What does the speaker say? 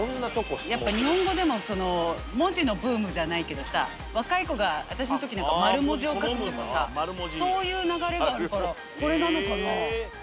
やっぱ日本語でもその文字のブームじゃないけどさ若い子が私の時なんか丸文字を書くのとかさそういう流れがあるからこれなのかな？